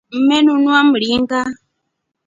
Mmenua mringa.